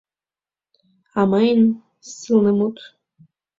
А мыйын — сылнымут.